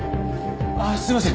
ああすいません。